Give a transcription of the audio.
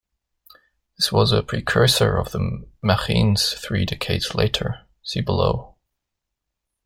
This was a precursor of the Machins three decades later: see below.